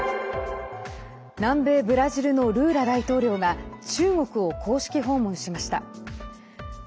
南米ブラジルのルーラ大統領が中国を公式訪問しました。